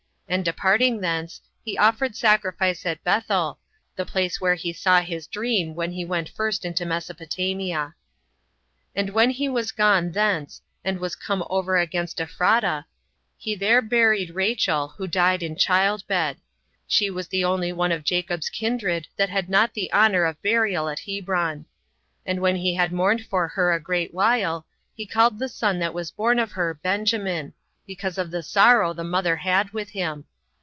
And departing thence, he offered sacrifice at Bethel, the place where he saw his dream, when he went first into Mesopotamia. 3. And when he was gone thence, and was come over against Ephrata, he there buried Rachel, who died in child bed: she was the only one of Jacob's kindred that had not the honor of burial at Hebron. And when he had mourned for her a great while, he called the son that was born of her Benjamin, 39 because of the sorrow the mother had with him.